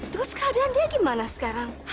terus keadaan dia gimana sekarang